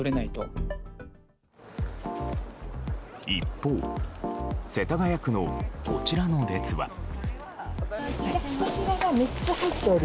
一方、世田谷区のこちらの列は。